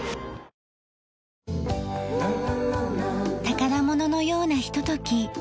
宝物のようなひととき。